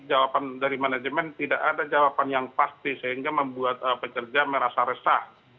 jawaban dari manajemen tidak ada jawaban yang pasti sehingga membuat pekerja merasa resah